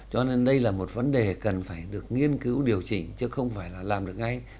cho nên đây là một vấn đề cần phải được nghiên cứu điều chỉnh chứ không phải là làm được ngay